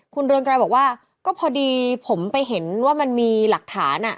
คุณเรืองไกรบอกว่าก็พอดีผมไปเห็นว่ามันมีหลักฐาน